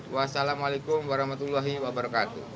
wassalamualaikum warahmatullahi wabarakatuh